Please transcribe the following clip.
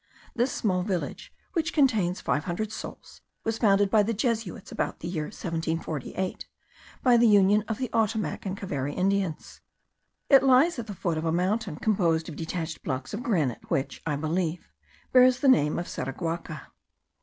This small village, which contains five hundred souls, was founded by the Jesuits, about the year 1748, by the union of the Ottomac and Cavere Indians. It lies at the foot of a mountain composed of detached blocks of granite, which, I believe, bears the name of Saraguaca.